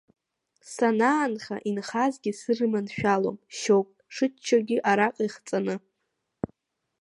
Санаанха, инхазгьы сырманшәалом, шьоук шыччогьы араҟа ихҵаны.